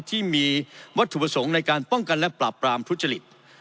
ที่มีวัตถุประสงค์ในการป้องกันและปราบปรามทุจริต